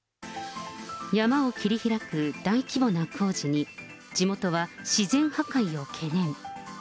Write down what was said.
山を切り開く大規模な工事に、地元は自然破壊を懸念。